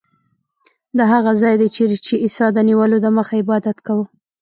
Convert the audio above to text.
دا هغه ځای دی چیرې چې عیسی د نیولو دمخه عبادت کاوه.